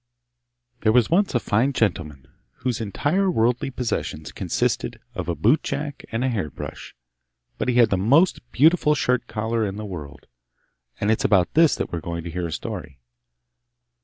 There was once a fine gentleman whose entire worldly possessions consisted of a boot jack and a hair brush; but he had the most beautiful shirt collar in the world, and it is about this that we are going to hear a story.